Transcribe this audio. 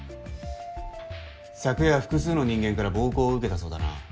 昨夜複数の人間から暴行を受けたそうだな。